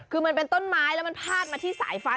คือมันเป็นต้นไม้แล้วมันพาดมาที่สายฟ้า